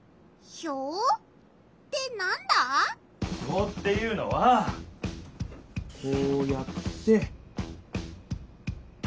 ひょうっていうのはこうやって。